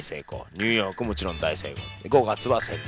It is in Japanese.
ニューヨークもちろん大成功５月は仙台。